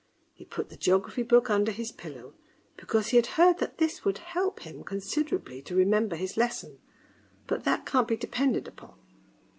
He put the geography book under his pillow, because he had heard that this would help him considerably to remember his lesson, but that can't be depended upon.